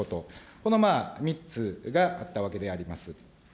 この３つがあったわけであります。